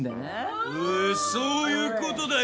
えそういうことだよ。